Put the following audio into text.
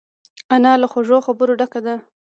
انا له خوږو خبرو ډکه ده